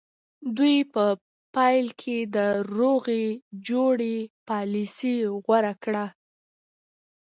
دوی په پیل کې د روغې جوړې پالیسي غوره کړه.